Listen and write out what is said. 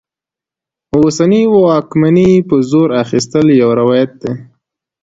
اوسنۍ واکمنۍ په زور اخیستل یو روایت دی.